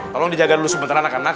tolong dijaga dulu sebentar anak anak